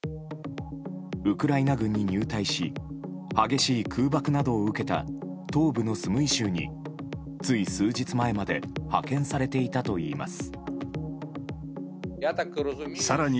ウクライナ軍に入隊し激しい空爆などを受けた東部のスムイ州につい数日前まで派遣されていたといいます。